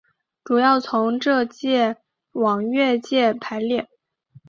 主要从浙界往粤界排列。